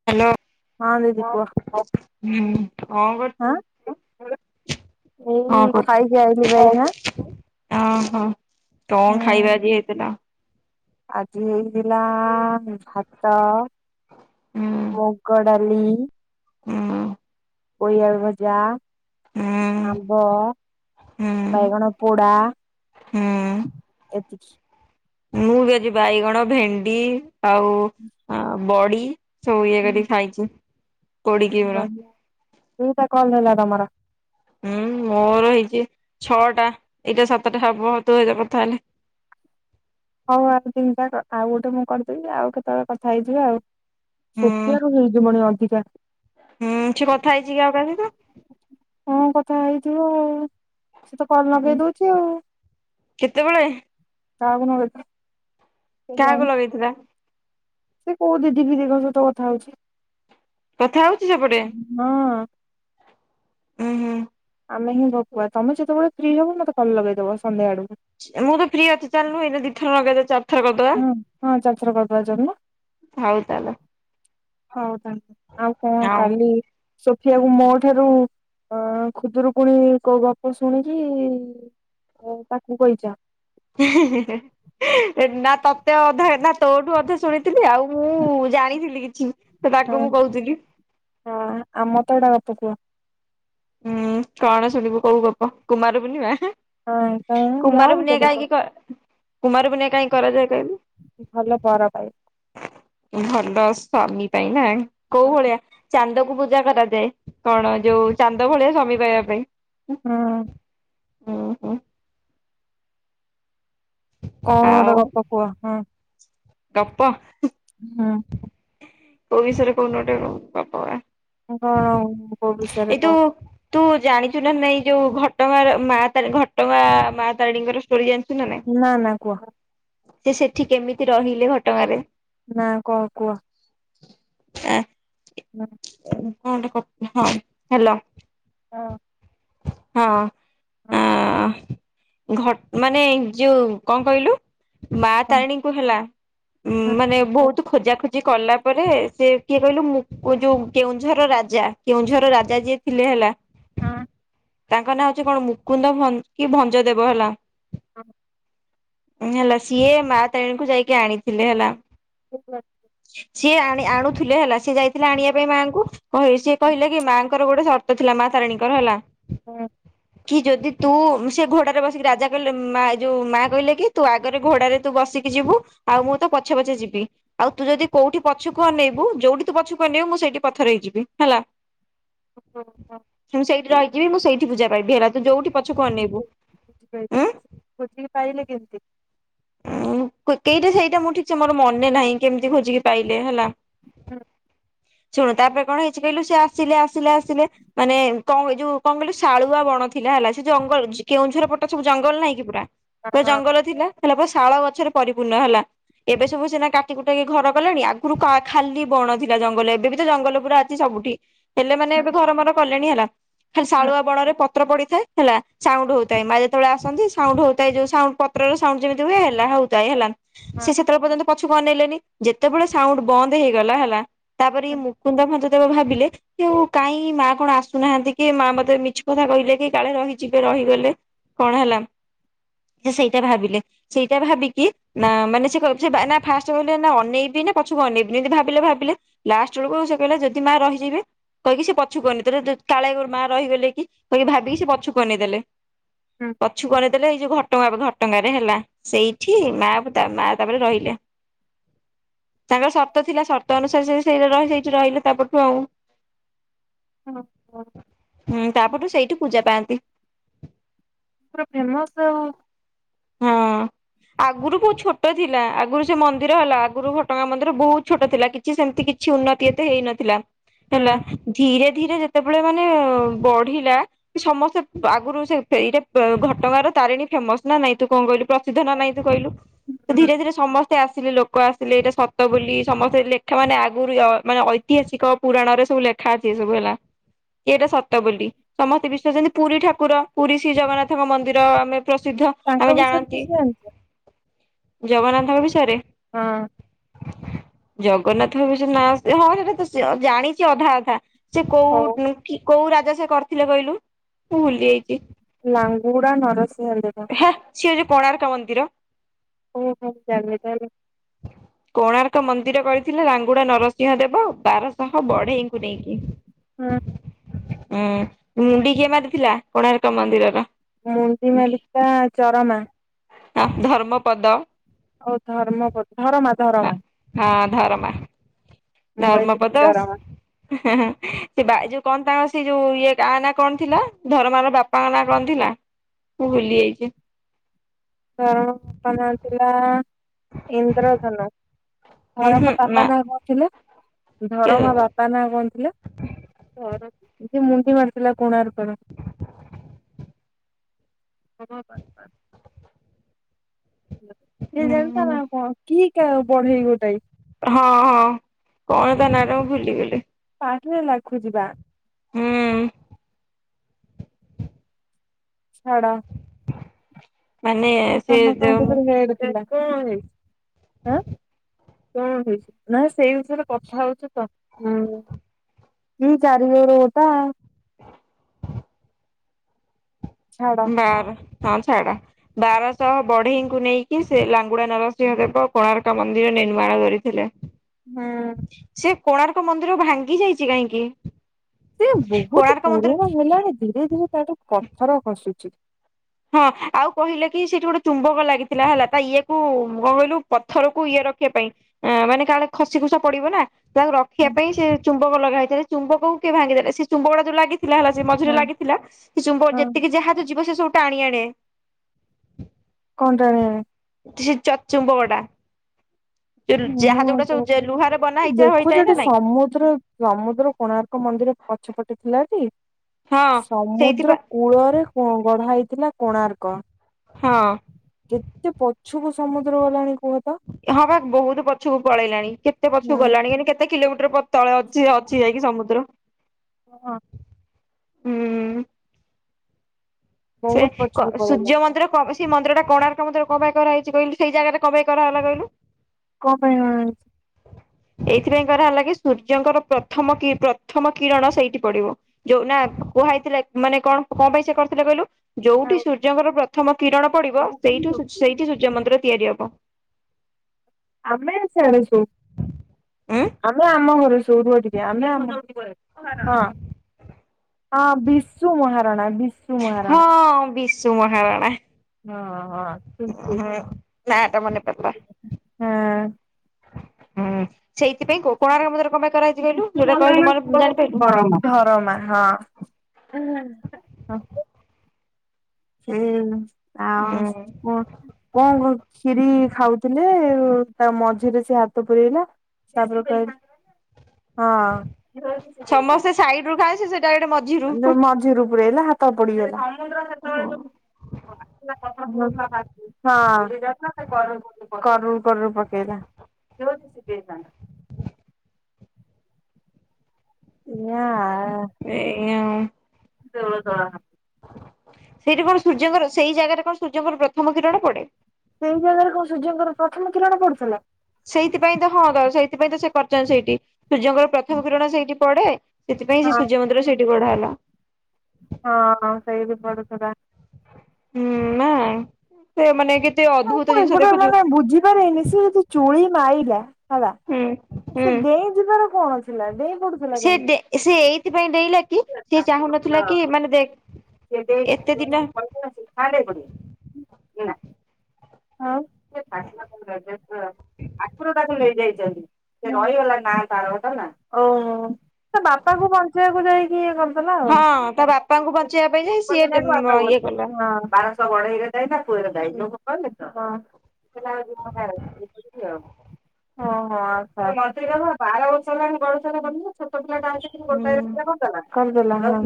Hello ହଁ ଦିଦି କୁହ ହଁ। [unintelligible] ଏଇ ଖାଇ ଅହୋ, କଣ ଖାଇବା ହୁଁ। ଆଜି ହେଇଥିଲା? ଆଜି ହେଇଥିଲା ଭାତ, ହୁଁ ମୁଗ ଡାଲି ହୁଁ ପୋଇଆଳୁ ଭଜା, ହୁଁ ଆମ୍ବ, ହୁଁ ବାଇଗଣ ପୋଡା। ହୁଁ ଏତିକି। ମୁଁ ବି ଆଜି ବାଇଗଣ, ଭେଣ୍ଡି ଆଉ ବଡି। ସବୁ ଇଏ କରିି ଖାଇଛି। ପୋଡିକି ପୁରା ତୁ ତା [unintelligible] ହୁଁ ମୋର ହେଇଛି ଛଅଟା, ଏଇଟା ସାତଟା ହବ ତୋ ସହିତ କଥା ହେଲେ। ହଉ ଆଉ ଚିନ୍ତା ଆଉ ଗୋଟେ ମୁଁ କରିଦେବି ଆଉ କେତେବେଳେ କଥା ହେଇଯିବ ଆଉ। ହୁଁ [unintelligible] ଅଧିକା। ହୁଁ, ସେ କଥା ହେଇଛି କି ଆଉ କାହା ସହିତ? ହଁ କଥା ହେଇଥିବ ଆଉ। ସେ ତ କଲ ଲଗେଇ ଦଉଛି ଆଉ, କେତେବେଳେ କାହାକୁ ଲଗେଇ ଦଉ କାହାକୁ ଲଗେଇଥିଲା? ସେ କୋଉ ଦିଦି ଫିଦିଙ୍କ ସହିତ କଥା ହଉଛି। କଥା ହଉଛି ସେପଟେ। ହଁ ଅଁ। ଉୁଁ ହୁଁ। ଆମେ ହିଁ ଗପୁଆ, ତମେ ଯେତେବେଳେ ଫ୍ରି ହବ ମତେ କଲେ ଲଗେଇଦବ ସନ୍ଧ୍ୟାଆଡକୁ। ମୁଁ ତ ଫ୍ରି ଅଛି ଚାଲୁନୁ ଏଇଦେ ଦିଥର ନଗେଇ ଦେବି ଚା ହଁ ହଁ ଚାରି ଥର କରିଦବା ଚାଲୁନ। ହଉ ତାହେଲେ। ହଉ ତାହେଲେ ଆଉ କଣ ହଉ। କାଲି ସୋଫିଆକୁ ମୋ ଠାରୁ ଅ ଖୁଦରୁକୁୁଣି କୋଉ ଗପ ଶୁଣିକି ତ ତାକୁ କହିଚ। ନା ତତେ ଅଧା ନା ତୋଠୁ ଅଧା ଶୁଣିଥିଲି ଆଉ ମୁଁ ଜାଣିଥିଲି କିଛି ତ ତାକୁ ମୁଁ କହୁଥିଲି। ହଁ ଆ ମତେ ଗୋଟେ ଗପ କୁହ। ଉୁଁ କଣ ଶଣିବୁ କୋଉ ଗପ କୁମାର ପୂର୍ଣ୍ଣିମା। କାଇଁ ଯାହା କୁମାର ବି ପୂର୍ଣ୍ଣିମା କେବେ କାହିଁକି କହିବ କ କୁମାର ପର୍ଣ୍ଣିମା କାହିଁକି କରାଯାଏ କହିଲୁ? ଭଲ ବର ପାଇବ ଭଲ ସ୍ଵାମୀ ପାଇଁ ନା କୋଉ ହଁ ଭଳିଆ ଚାନ୍ଦକୁ ପୂଜା କରାଯାଏ କଣ ଯୋଉ ଚାନ୍ଦ ଭଳିଆ ସ୍ବାମୀ ପାଇବା ପାଇଁ। କଣ ଓହୋ କଣ ଆଉ ଗୋଟେ ଗପ କୁହ ହଁ? ଗପ? ହୁଁ କୋଉ ବିଷୟରେ କହୁନୁ ଗୋଟେ ଗପ ବା କଣ କୋଉ ବିଷୟରେ ଏଇ କହ? ଯୋଉ ତୁ ଜାଣିଛୁ ନା ନାଇଁ ଯୋଉ ଘଟଗାର ମା ତାରେ ଘଟଗା ମା ତାରିଣୀଙ୍କର ଷ୍ଟୋରି ଜାଣିଛୁ ନା ନାଇଁ? ନା ନା କୁହ? ସେ ସେଠି କେମିତି ରହିଲେ ଘଟଗାଁରେ? ନା କଣ କୁହ? ଆ ହୁଁ କଣଟ କ ହଁ ହେଲୋ ହଁ ହଁ ହଁ ଆ ଘ ମାନେ ଯୋଉ କଣ କହିଲୁ? ମା ତାରିଣୀଙ୍କୁ ହେଲା ମାନେ ବହୁତ ଖୋଜା ଖୋଜି କଲା ପରେ ସେ କିଏ କହିଲୁ ମୁକୁ ଯୋଉ କେଉଁଝର ର ରାଜା। କେଉଁଝର ର ରାଜା ଯିଏ ଥିଲେ ହେଲା ହଁ ତାଙ୍କ ନାଁ ହୋଉଛି କଣ ହେଲା ମୁକୁନ୍ଦ ଭ କି ଭଞ୍ଜ ଦେବ ହେଲା। ହଁ ହେଲା ସିଏ ମା ତାରିଣୀକୁ ଯାଇକି ଆଣିଥିଲେ ହେଲା। ହ ସିଏ ଆଣି ଆଣୁଥିଲେ ହେଲା ସିଏ ଯାଇଥିଲେ ଆଣିବା ପାଇଁ ମାଆଙ୍କୁ ସିଏ କହିଲେ କି ମା ଙ୍କର ଗୋଟେ ସର୍ତ୍ତ ଥିଲା ମା ତାରିଣୀଙ୍କର ହେଲା। ହୁଁ କି ଯଦି ତୁ ସେ ଘୋଡାରେ ବସିକି ରାଜା କହିଲେ ମା ଏ ଯୋଉ ମା କହିଲେ କି ତୁ ଆଗରେ ଘୋଡାରେ ତୁ ବସିକି ଯିବୁ ଆଉ ମୁଁ ତ ପଛେ ପଛେ ଯିବି। ଆଉ ତୁ ଯଦି କୋଉଠି ପଛକୁ ଅନେଇବୁ ଯୋଉଠି ତୁ ପଛକୁ ଅନେଇବୁ ମୁଁ ସେଇଠି ପଥରେ ହେଇଯିବି ହେଲା। ଓହୋ। ମୁଁ ସେଇଠି ରହିଯିବି ମୁଁ ସେଇଠି ପୂଜା ପାଇବି ହେଲା ତୁ ଯୋଉଠି ପଛକୁ ଅନେଇବୁ ଉଁ ଖୋଜିକି ପାଇଲେ କେମିତି? ଉ କେଇଟା ସେଇଟା ମୁଁ ଠିକ ସେ ମୋର ମନେ ନାହିଁ କେମିତି ଖୋଜିକି ପାଇଲେ ହେଲା। ହୁଁ। ଶୁଣୁ ତାପରେ କଣ ହେଇଛି କହିଲୁ ସେ ଆସିଲେ ଆସିଲେ ଆସିଲେ। ମାନେ କଣ ଯୋଉ କଣ କହିଲ ଶାଳୁଆ ବଣ ଥିଲା ହେଲା ସେ ଜଙ୍ଗଲ କେଉଁଝର ପଟ ସବୁ ଜଙ୍ଗଲ ନାହିଁ କି ପୁରା। ପୁରା ଜଙ୍ଗଲ ଥିଲା ହେଲା ପୁରା ଶାଳ ଗଛରେ ପରିପୂର୍ଣ୍ଣ ହେଲା। ଏବେ ସବୁ ସିନା କାଟି କୁଟାକି ଘର କଲେଣି ଆଗରୁ ଖାଲି ବଣ ଥିଲା ଜଙ୍ଗଲ ଏବେ ବି ତ ଜଙ୍ଗଲ ପୁରା ଅ ଠୀ ସବୁଠି ହେଲେ ମାନେ ଏବେ ଘର ମର କଲେଣି ହେଲା ଖାଲି ଶାଳୁଆ ବଣ ରେ ପତ୍ର ପଡିଥାଏ। ହେଲା ସାଉଣ୍ଡ ହୋଉଥାଏ। ମା ଯେତେବେଳେ ଆସନ୍ତି ସାଉଣ୍ଡ ହୋଉଥାଏ ଯୋଉ ସାଉ ପତ୍ରର ସାଉଣ୍ଡ ଯେମିତି। ହୁ ହେଲା ହୋଉଥାଏ ହେଲା ସେ ସେତେବେଳେ ପର୍ଯ୍ୟନ୍ତ ପଛକୁ ଅନେଇଲେନି ଯେତେବେଳେ ସାଉଣ୍ଡ ବନ୍ଦ ହେଇଗଲା ହେଲା ତାପରେ ଇଏ ମୁକୁନ୍ଦ ଭଞ୍ଜ ଦେବ ଭାବିଲେ ସେଉ କାହିଁ ମା କଣ ଆସୁନାହାନ୍ତି କି ମା ମତେ ମିଛ କଥା କହିଲେ କି କାଳେ ରହିଯିବେ ରହିଗଲେ। କଣ ହେଲା ସେ ସେଇଟା ଭାବିଲେ ସେଇଟା ଭାବିକି ନା ମାନେ ସେ କହିବ ଫାଷ୍ଟ କହିଲେ ଅନେଇବି ନା ପଛକୁ ଅନେଇବିନି ଯେମିତି ଭାବିଲେ ଭାବିଲେ ଲାଷ୍ଟ ବେଳକୁ ସେ କହିଲେ ଯଦି ମା ରହିଯିବେ କହିକି ସେ ପଛକୁ ଆନେଇଦେଲେ କାଳେ ମା ରହିଗଲେ କି କହିକି ଭାବିକି ସେ ପଛକୁ ଅନେଇଦେଲେ। ପଛକୁ ଅନେଇ ଦେଲେ ଏଇ ଯୋଉ ଘଟଗାଁ ପାଖ ହେଲା ସେଇଠି ମା ମା ତାପରେ ରହିଲେ। ତାଙ୍କର ସର୍ତ୍ତ ଥିଲା ସର୍ତ ଅନୁସାରେ ସେ ସେଇ ର ସେଇଠି ରହିଲେ ତାପରଠୁ ଆଉ। ହୁଁ ତାପରଠୁ ସେଇଠୁ ପୂଜା ପାଆନ୍ତି। ପୁରା ଫେମସ ଆଉ। ହଁ। ଆଗରୁ ବହୁତ ଛୋଟ ଥିଲା ଆଗରୁ ସେ ମନ୍ଦିର ହେଲା ଆଗରୁ ଘଟଗାଁ ମନ୍ଦିର ବହୁତ ଛୋଟ ଥିଲା କି ସେମିତି କିଛି ଉନ୍ନତି ଏତେ ହେଇନଥିଲା। ହେଲା ଧୀରେ ଧୀରେ ଯେତେବେଳେ ମାନେ ବଢିଲା ସମସ୍ତେ ଆଗରୁ ସେ ଏଇଟା ଘଟଗାଁ ର ତାରିଣୀ ଫେମସ ନା ନାଇଁ। ତୁ କଣ କହିଲୁ ପ୍ରସିଦ୍ଧ ନା ନାଇଁ ତୁ କହିଲୁ? ତ ଧୀରେ ଧୀରେ ସମସ୍ତେ ତେ ଆସିଲେ ଲୋକ ଆସିଲେ ଏଇଟା ସତ ବୋଲି ସମସ୍ତେ ଲେଖା ମାନେ ଆଗରୁ ଅ ମାନେ ଐତିହାସିକ ପୁରାଣରେ ସବୁ ଲେଖା ଅଛି ଏ ସବୁ ହେଲା। ଏଇଟା ସତ ବୋଲି ସମସ୍ତେ ବିଶ୍ୱାସ କରୁଛନ୍ତି ପୁରୀ ଠାକୁର ପୁରୀ ଶ୍ରୀ ଜଗନ୍ନାଥଙ୍କ ମନ୍ଦିର ଆମେ ପ୍ରସିଦ୍ଧ। ତାଙ୍କ ଆମେ ବିଷୟରେ ଜାଣନ୍ତି କିଛି ଜାଣିଛ? ଜଗନ୍ନାଥଙ୍କ ବିଷୟରେ। ହଁ। ଜଗନ୍ନାଥଙ୍କ ବିଷୟରେ ନାଁ ହଁ ସେଇଟା ତ ଜାଣିଛି ଅଧା ଅଧା। ସେ ହଉ କୋଉ କି କୋଉ ରାଜା ସେ କରିଥିଲେ କହିଲୁ ମୁଁ ଭୁଲି ଯାଇଛି। ଲାଙ୍ଗୁଡା ନରସିଂହ ଦେବ। ହେ ସିଏ ହୋଉଛି କୋଣାର୍କ ମନ୍ଦିର। ଓଃ ହୋ ମୁଁ ଜାଣିନି ତାହେଲେ। କୋଣାର୍କ ମନ୍ଦିର କରିଥିଲେ ଲାଙ୍ଗୁଡ଼ା ନରସିଂହ ଦେବ ବାରଶହ ବଢେଇଙ୍କୁ ନେଇକି। ହଁ। ହଁ ମୁଣ୍ଡି କିଏ ମାରିଥିଲା କୋଣାର୍କ ମନ୍ଦିରର? ମୁଣ୍ଡି ମାରିଥିଲା ଚରମା। ହା ଧର୍ମପଦ। ହଉ ଧର୍ମପଦ ଧରମା ହଁ ଧରମା। ଧରମା ମୁଁ କହିଥିଲି ଧର୍ମପଦ। ଚରମା ସେ ବା ଏଇ ଯୋଉ କଣ ତାଙ୍କ ସେ ଯୋଉ ଇଏ ଗାଁ ନା କଣ ଥିଲା ଧରମାର ବାପା? ବାପାଙ୍କ ନାଁ କଣ ଥିଲା ମୁଁ ଭୁଲି ଯାଇଛି? ର ବାପାଙ୍କ ନାଁ ଥିଲା ଇନ୍ଦ୍ରଧନୁ। ଉଁ ହୁଁ ଧରମା ନା ବାପା ନାଁ କଣଥିଲା ଉଁ ଧରମା ବାପା? ବାପା ନା କଣ ଥିଲା ଯିଏ ମୁଣ୍ଡି ମାରିଥିଲା କୋଣାର୍କ ର? [unintelligible] ହବା ବାସ୍ ବାସ୍। ସେ ଜାଣିଥା ନା କଣ କି ବଢେଇ ଗୋଟାଏ। ହଁ ହଁ କଣ ତା ନାଁ ଟା ମୁଁ ଭୁଲିଗଲି। ପାଟିରେ ଲାଖୁଛି ବା। ହୁଁ। ଛାଡ଼। ମାନେ ସେ ଯୋଉ [unintelligible] ଆଁ କଣ ହେଇଛି ନା ସେଇ ବିଷୟରେ କଥା ହଉଛ ତ ହଁ। କି ଚାରି। [unintelligible] ଛାଡ ବାର ହଁ ଛାଡ। ବାରଶହ ବଢେଇଙ୍କୁ ନେଇକି ସେ ଲାଙ୍ଗୁଡା ନରସିଂହ ଦେବ କୋଣାର୍କ ମନ୍ଦିର ନିର୍ମାଣ କରି ଥିଲେ। ହଁ। ସେ କୋଣାର୍କ ମନ୍ଦିର ଭାଙ୍ଗି ଯାଇଛି କାହିଁକି? ସେ ବହୁତ କୋଣାର୍କ ମନ୍ଦିର ପୁରୁଣା ହେଲାଣି ଧୀରେ ଧୀରେ ତାଠୁ ପଥର ଖସୁଛି। ହଁ ଆଉ କହିଲେ କି ସେଇଠି ଗୋଟେ ତୁମ୍ବକ ଲାଗିଥିଲା ହେଲା ତା ଇଏ କୁ କଣ କହିଲୁ ପଥରକୁ ଇଏ ରଖିବା ପାଇଁ। ଆ ମାନେ କାଳେ ଖସି ଖୁସ ପଡିବ ନା। ତାକୁ ରଖିବା ହୁଁ ପାଇଁ ସେ ଚୁମ୍ବକ ଲଗାହେଇଥିଲା ଚୁମ୍ବକ କୁ କିଏ ଭାଙ୍ଗି ଦେଲେ ସେ ଚୁମ୍ବକ ଟା ଯୋଉ ଲାଗିଥିଲା ହେଲା। ଯେ ମଝିରେ ହୁଁ ଲାଗିଥିଲା ସେ ଚୁମ୍ବକ ହଁ। ଯେତିକି ଜାହାଜ ଯିବ ସେ ସବୁ ଟାଣି ଆଣେ। କଣ ଟାଣି ଅଣେ? ସେ ଚ ଚୁମ୍ବକଟା। ଯୋଉ ହଁ ଜାହାଜ ଗୁଡା ତ ସବୁ ଲୁହାରେ ବନା ହେଇ ହୋଇଥାଏ ଦେଖୁଛ ଟି ନା ନାଇଁ ସମୁଦ୍ର ସମୁଦ୍ର କୋଣାର୍କ ମନ୍ଦିର ପଛପଟେ ଥିଲା ଟି ହଁ ସେଇଥିପାଇଁ ସମୁଦ୍ର କୂଳରେ କୋ ଗଢା ହେଇଥିଲା କୋଣାର୍କ। ହଁ। କେତେ ପଛୁକୁ ସମୁଦ୍ର ଗଲାଣି କୁହତ। ହଁ ବା ବହୁତ ପଛକୁ ପଳେଇଲାଣି କେତେ ପଛକୁ ହୁଁ। ଗଲାଣି କିନ୍ତୁ କେ କେତେ କିଲୋମିଟର ପତଳ ଅଛି ଅଛି ଯାଇକି ସମୁଦ୍ର। ହଁ। ହମ୍। ସେ ବହୁତ କ ପଛକୁ ପଳେଇଲା। ସୂର୍ଯ୍ୟ ମନ୍ଦିର କ ପାଇଁ? ସେଇ ମନ୍ଦିର ଟା କୋଣାର୍କ ମନ୍ଦିର କଣ ପାଇଁ କରା ହେଇଛି କହିଲୁ ସେଇ ଜାଗାରେ କଣ ପାଇଁ କରାହେଲା କହିଲୁ? କଣ ପାଇଁ। [unintelligible] ଏଇଥିପାଇଁ କରାହେଲା କି ସୂର୍ଯ୍ୟଙ୍କର ପ୍ରଥମ କି ପ୍ରଥମ କିରଣ ସେଇଠି ପଡିବ। ଯୋଉ ନା କୁହା ହେଇଥିଲା ମାନେ କଣ କଣ ପାଇଁ ସେ କରିଥିଲେ କହିଲୁ? ଯୋଉଠି ସୂର୍ଯ୍ୟଙ୍କର ପ୍ରଥମ କିରଣ ପଡିବ ସେଇଠୁ ସେଇଠି ସୂର୍ଯ୍ୟ ମନ୍ଦିର ତିଆରି ହବ। ଆମେ ସିଆଡେ ସୋଉ। ଉଁ ଆମେ ଆମ ଘରେ ସୋଉ ରୁହ ଟିକେ ଆମେ ଆମ ହଁ ହଁ ଭି ହଁ ବିଶୁ ମହାରଣା। ହଁ ହଁ। ଠିକ ହୁଁ ଠିକ। ହୁଁ ନା ଟା ମନେପଡ଼ିଲା। ହଁ। ହୁଁ ସେଇଥିପାଇଁ କୋ କୋଣାର୍କ ମନ୍ଦିର କଣ ପାଇଁ କରାଯାଇଛି କହିଲୁ ବିଶୁ ଯୋଉଟା ମହାରଣା କହିଲୁ ମର ପୁଅ ହଉଛି ଜାଣିପାଇଲୁ। ଧରମା। ଧରମା ହଁ। ସେଇ ଆଉ ହୁଁ କୁଣ କଣ କ କ୍ଷୀରି ଖାଉଥିଲେ ତା ମଝିରେ ସେ ହାତ ପୁରଇଲା। [unintelligible] ହଁ [unintelligible] ସମସ୍ତେ ସାଇଡ ରୁ ଖାଏ ସେ ସେ ଡାଇରେକ୍ଟ ମ ଯୋଉ ମଝିରୁ ପୁରେଇଲା ହାତ ପୋଡ଼ିଗଲା। [unintelligible] ହଁ କରରୁ କରରୁ ପକେଇଲା। ଏଆ ସେୟା ଦେଉଳ ତୁଳା କା ସେଇଠି କଣ ସୂର୍ଯ୍ୟଙ୍କର ସେଇ ଜାଗାରେ କଣ ସୂର୍ଯ୍ୟଙ୍କର ପ୍ରଥମ କିରଣ ପଡେ? ସେଇ ଜାଗାରେ କଣ ସୂର୍ଯ୍ୟଙ୍କର ପ୍ରଥମ କିରଣ ପଡୁଥିଲା? ସେଇଥିପାଇଁ ତ ହଁ ସେଇଥିପାଇଁ ତ ସେ କରିଛନ୍ତି ସେଇଠି, ସୂର୍ଯ୍ୟଙ୍କର ପ୍ରଥମ କିରଣ ସେଇଠି ପଢେ। ସେଥିପାଇଁ ସେ ହଁ ସୂର୍ଯ୍ୟ ମନ୍ଦିର ସେଇଠି ଗଢ଼ା ହେଲା। ହଁ ସେଇଠି ପଡୁଥିଲା। ହୁଁ ନା ସେ ମାନେ କେତେ ଅଦଭୁତ ମୁଁ ଏ ଗୋଟେ ମାନେ ବୁଝିପାରନି ସେ ଯଦି ଚୁଳି ମାଇଲା ହେଲା। ହୁଁ। ହୁଁ। ସେ ଡେଇଁ ଯିବାର କଣ ଥିଲା, ଡେଇଁ ପଡୁଥିଲା ସେ କେମିତି? ଡେ ସେ ଏଇଥିପାଇଁ ଡେଇଁଲା କି ସେ ଆଉ ଚାହୁଁ ନଥିଲା କି ମାନେ ଦେ ଏତେ ଦିନ [unintelligible] ଆଖରଟାକୁ ନେଇଯାଇଛନ୍ତି। ଓ ହୋ, ତା ବାପା କୁ ବଞ୍ଚେଇବାକୁ ଯାଇକି ହଁ। ହଁ ତା ବାପାଙ୍କୁ ବଞ୍ଚେଇବା ପାଇଁ ଯାଇ ସିଏ ଇଏ କଲା। ହଁ। ମନା ଆଉ। ଓହଁ ହୁଁ। ଆଛ।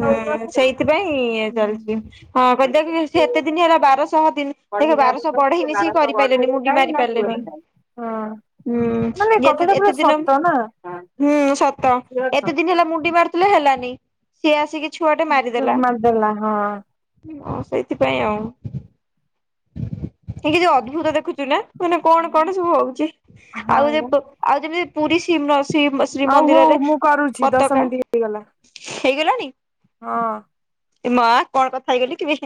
ହୁଁ ସେଇଥିପାଇଁ ଇଏ ଚାଲିଛି ହଁ। ହଁ କ ଦେଖ ସେ ଏତେ ଦିନ ହେଲା ବାରଶହ ଦିନ ବଢେଇ ଦେଖ ଯାହାକୁ ବାରଶହ କହିଲେ ତୁ ବଢେଇନି କିଛି ବାରଶହ କରି ପାରିଲେନି, ବଢେଇରେ ମୁଣ୍ଡି ଖାଇ ମାରି ନା ପୁଅରେ ପାରିଲେନି। ଖାଇ। ହଁ ମାନେ ହୁଁ ଯେତେ କଥାଟା ପୁରା ଏତେ ଦିନ, ହୁଁ ସତ। ଯଛ। ଏତେ ଦିନ ହେଲା ମୁଣ୍ଡି ମାରୁଥିଲେ ହେଲାନି, ସିଏ ଆସିକି ଛୁଆଟେ ସତ। ମାରିଦେଲା। ମାରିଦେଲା ହଁ। ସେଇଥିପାଇଁ ଆଉ। କି ଯ ଅଦ୍ଭୁତ ଦେଖୁଛୁ ନା, ମାନେ କଣ କଣ ସବୁ ହଉଛି, ହଁ ଆଉ ଯେ ବା ପ ଆଉ ଯେମିତି ପୁରୀ ଶ୍ରୀ ଆଉ ହଉ ମ-ଶ୍ରୀମନ୍ଦିରରେ ମୁଁ କରୁଛି ଦଶ ପତାକା। ମିନିଟ୍ ହେଇଗଲା ହେଇଗଲାଣି? ହଁ। ଏ ମା କଣ କଥା ହେଇଗଲି କେବେ?